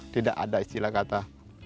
tidak ada istilah kata